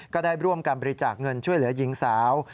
ก็ได้ร่วมการบริจาคเงินช่วยเหลือหญิงสาว